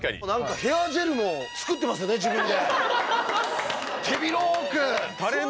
ヘアジェルも作ってますよね、自分で。